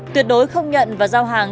tuyệt đối không nhận và giao hàng